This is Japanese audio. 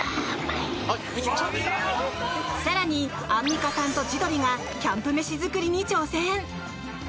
更にアンミカさんと千鳥がキャンプ飯作りに挑戦。